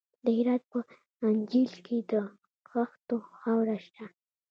د هرات په انجیل کې د خښتو خاوره شته.